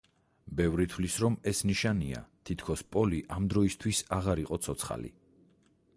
ბევრი თვლის, რომ ეს ნიშანია, თითქოს პოლი ამ დროისთვის აღარ იყო ცოცხალი.